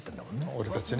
俺たちね。